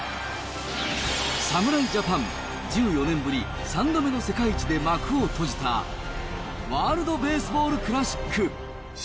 侍ジャパン、１４年ぶり３度目の世界一で幕を閉じた、ワールドベースボールクラシック。